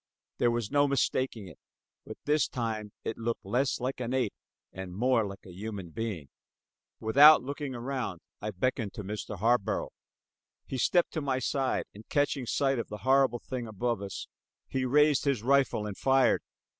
There was no mistaking it; but this time it looked less like an ape and more like a human being. Without looking around I beckoned to Mr. Harborough. He stepped to my side, and catching sight of the horrible thing above us, he raised his rifle and fired.